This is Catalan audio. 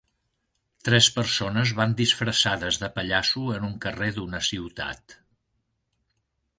tres persones van disfressades de pallasso en un carrer d'una ciutat.